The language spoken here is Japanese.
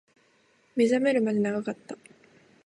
目覚めるまで長かった